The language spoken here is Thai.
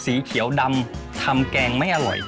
สีเขียวดำทำแกงไม่อร่อย